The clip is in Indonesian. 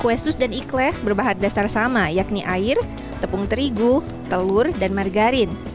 kue sus dan ikhlaq berbahan dasar sama yakni air tepung terigu telur dan margarin